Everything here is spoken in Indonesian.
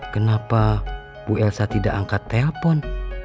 kenapa bu elsa tidak angkat telpon